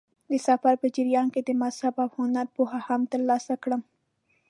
د سفر په جریان کې د مذهب او هنر پوهه هم ترلاسه کړم.